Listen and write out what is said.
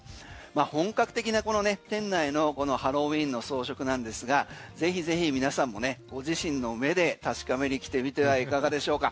本格的な店内の、このハロウィーンの装飾なんですがぜひぜひ皆さんもねご自身の目で確かめに来てみてはいかがでしょうか？